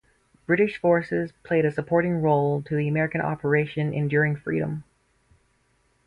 British forces played a supporting role to the American Operation Enduring Freedom.